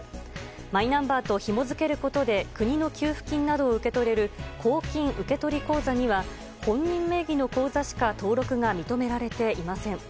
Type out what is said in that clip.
マイナンバーとひも付けることで国の給付金などを受け取れる公金受取口座には本人名義の口座しか登録が認められていません。